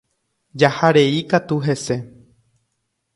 Jaharei katu hese